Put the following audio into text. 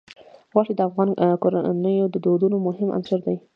غوښې د افغان کورنیو د دودونو مهم عنصر دی.